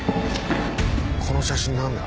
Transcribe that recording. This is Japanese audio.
この写真何だ？